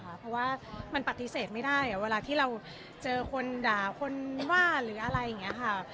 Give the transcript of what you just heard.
เพราะว่ามันปฏิเสธไม่ได้เวลาที่เราเจอคนด่าคนว่าหรืออะไรอย่างนี้ค่ะ